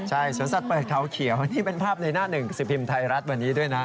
ใช่สวนสัตว์เปิดเขาเขียวนี่เป็นภาพในหน้าหนึ่งสิบพิมพ์ไทยรัฐวันนี้ด้วยนะ